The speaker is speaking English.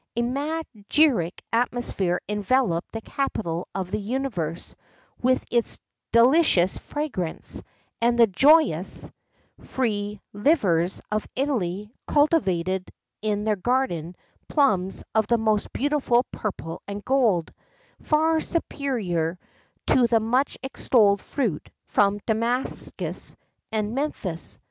A magiric atmosphere enveloped the capital of the universe with its delicious fragrance, and the joyous free livers of Italy cultivated in their gardens plums of the most beautiful purple and gold,[XII 74] far superior to the much extolled fruit from Damascus and Memphis.